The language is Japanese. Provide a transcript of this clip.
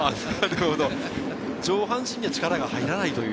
上半身には力が入らない？